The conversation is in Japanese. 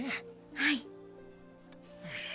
はい。